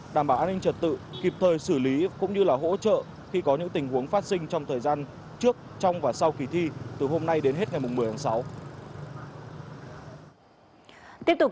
đảm bảo an ninh trật tự kịp thời xử lý cũng như là hỗ trợ khi có những tình huống phát sinh trong thời gian trước trong và sau kỳ thi từ hôm nay đến hết ngày một mươi tháng sáu